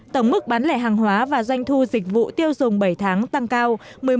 tổng mức bán lẻ hàng hóa và doanh thu dịch vụ tiêu dùng bảy tháng tăng cao một mươi một sáu